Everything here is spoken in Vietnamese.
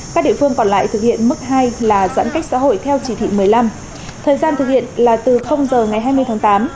các địa phương còn lại thực hiện mức hai là giãn cách xã hội theo chỉ thị một mươi năm thời gian thực hiện là từ giờ ngày hai mươi tháng tám